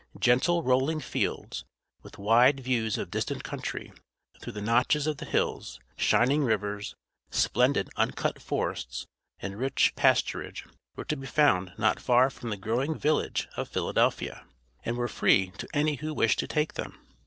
Gentle rolling fields, with wide views of distant country through the notches of the hills, shining rivers, splendid uncut forests, and rich pasturage were to be found not far from the growing village of Philadelphia, and were free to any who wished to take them.